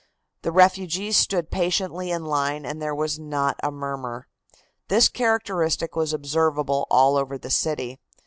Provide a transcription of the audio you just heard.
The refugees stood patiently in line and there was not a murmur. This characteristic was observable all over the city.